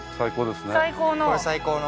最高の。